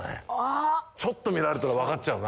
ちょっと見られたら分かっちゃうな。